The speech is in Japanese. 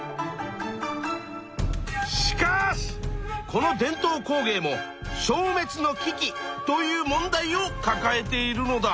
しかしこの伝統工芸も消滅の危機という問題をかかえているのだ。